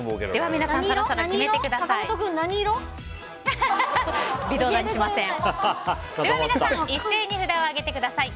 皆さん、そろそろ決めてください。